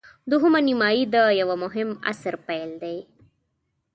دوهمه نیمايي د یوه مهم عصر پیل دی.